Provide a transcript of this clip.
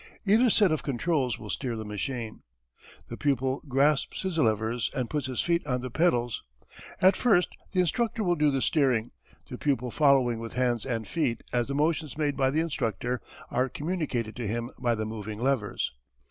Either set of controls will steer the machine. The pupil grasps his levers, and puts his feet on the pedals. At first the instructor will do the steering, the pupil following with hands and feet as the motions made by the instructor are communicated to him by the moving levers.